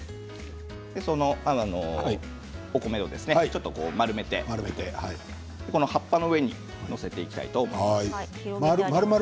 お米を丸めて葉っぱの上に載せていきたいと思います。